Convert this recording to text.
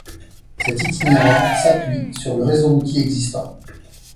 Cet itinéraire s'appuie sur le réseau routier existant.